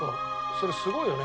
それすごいよね。